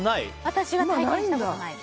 私は体験したことないです。